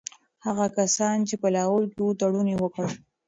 هغه کسان چي په لاهور کي وو تړون یې وکړ.